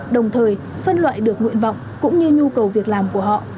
đồng thời phân loại được nguyện vọng cũng như nhu cầu việc làm của họ